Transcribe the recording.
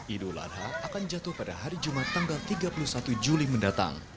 idul adha akan jatuh pada hari jumat tanggal tiga puluh satu juli mendatang